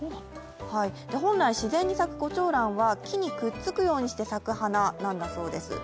本来、自然に咲く胡蝶蘭は木にくっつくようにして咲く花なんです。